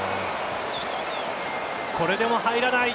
これでも入らない。